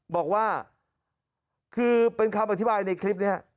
บอกว่าคือเป็นคำอธิบายในคลิปนี้